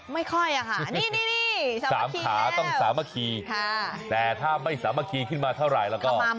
ไม่ค่อยอะค่ะนี่๓ขาต้องสามัคคีแต่ถ้าไม่สามัคคีขึ้นมาเท่าไหร่แล้วก็